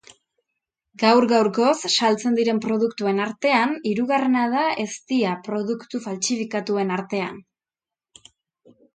Gaur gaurkoz saltzen diren produktuen artean, hirugarrena da eztia produktu faltsifikatuen artean.